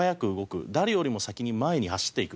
誰よりも先に前に走っていく。